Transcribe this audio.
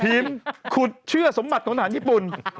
ทีมครูกลัวสมบัติของอาหารญี่ปุ่น